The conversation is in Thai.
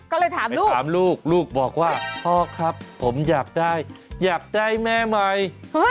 ก็เลยถามลูกถามลูกลูกบอกว่าพ่อครับผมอยากได้อยากได้แม่ใหม่